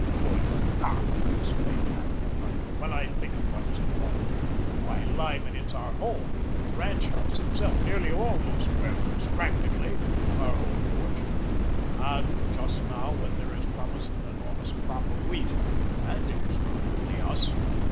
"Good God!" exclaimed Harran abruptly, "when I think of what is involved. Why, Lyman, it's our home, the ranch house itself, nearly all Los Muertos, practically our whole fortune, and just now when there is promise of an enormous crop of wheat. And it is not only us.